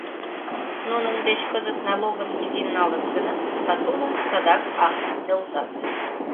Нунын деч кызыт налогым изин налыт гынат, сатулан садак акым нӧлтат.